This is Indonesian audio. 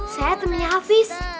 saya temennya hafiz